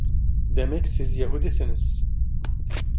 Demek siz Yahudisiniz?